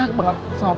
aku juga mau